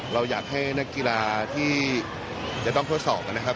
เราอยากให้นักกีฬาที่จะต้องทดสอบนะครับ